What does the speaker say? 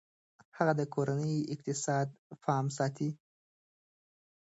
هغې د کورني اقتصاد پام ساتي.